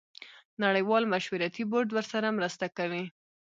نړیوال مشورتي بورډ ورسره مرسته کوي.